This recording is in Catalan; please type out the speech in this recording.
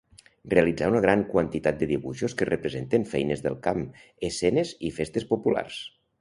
Realitzà una gran quantitat de dibuixos que representen feines del camp, escenes i festes populars.